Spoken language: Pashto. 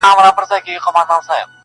نن به زه هم يا مُلا يا به کوټوال واى؛